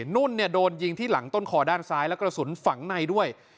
นุ่นโดนยิงที่หลังต้นคอด้านซ้ายและกระสุนฝังในด้วย